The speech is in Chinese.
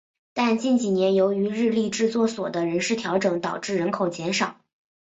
但近几年由于日立制作所的人事调整导致人口减少。